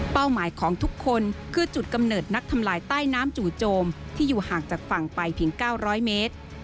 หมายของทุกคนคือจุดกำเนิดนักทำลายใต้น้ำจู่โจมที่อยู่ห่างจากฝั่งไปเพียง๙๐๐เมตร